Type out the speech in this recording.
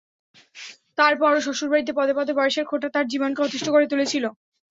তারপরও শ্বশুরবাড়িতে পদে পদে বয়সের খোঁটা তার জীবনকে অতিষ্ঠ করে তুলেছিল।